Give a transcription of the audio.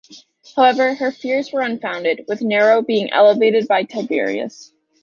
However, her fears were unfounded, with Nero being elevated by Tiberius.